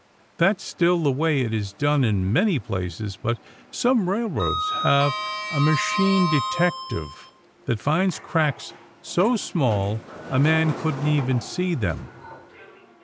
That's still the way it is done in many places. But some railroads have a machine detective that finds cracks so small a man couldn't even see them.